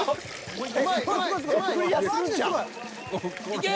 いけ！